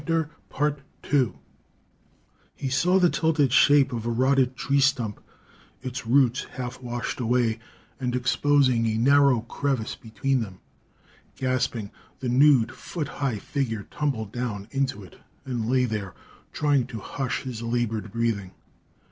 He saw the tilted shape of a rotted tree stump, its roots half washed away and exposing a narrow crevice between them. Gasping, the nude, foot high figure tumbled down into it, and lay there, trying to hush his labored breathing.